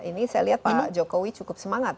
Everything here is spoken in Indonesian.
ini saya lihat pak jokowi cukup semangat